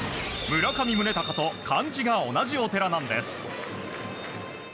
村上宗隆と漢字が同じお寺なんです。